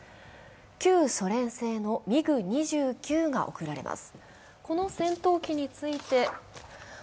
旧ソ連製のミグ２９が送られます。